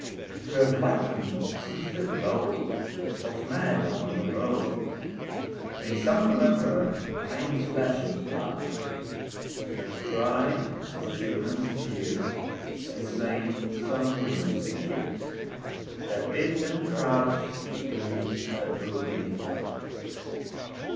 To have lightened some stiff load Of men upon the road— May some remember I am flesh and blood! To have dried some children's tears, And slain some women's fears That bid them crouch beneath a brooding flood.